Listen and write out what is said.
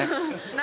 何？